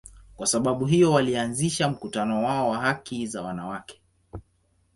Kwa sababu hiyo, walianzisha mkutano wao wa haki za wanawake.